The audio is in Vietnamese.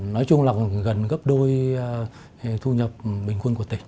nói chung là gần gấp đôi thu nhập bình quân